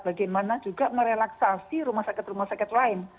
bagaimana juga merelaksasi rumah sakit rumah sakit lain